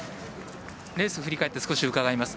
レース振り返って少し伺います。